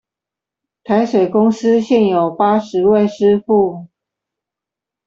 台水公司現有八十位師傅